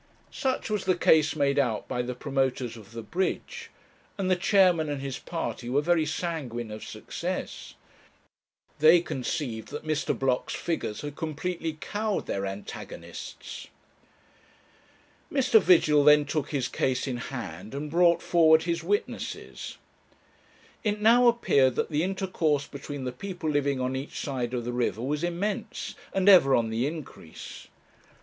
Such was the case made out by the promoters of the bridge, and the chairman and his party were very sanguine of success. They conceived that Mr. Blocks' figures had completely cowed their antagonists. Mr. Vigil then took his case in hand, and brought forward his witnesses. It now appeared that the intercourse between the people living on each side of the river was immense, and ever on the increase.